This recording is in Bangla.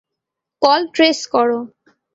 কল ট্রেস করো।